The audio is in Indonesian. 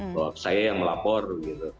bahwa saya yang melapor gitu